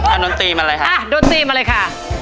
เอาดนตรีมาเลยค่ะดนตรีมาเลยค่ะ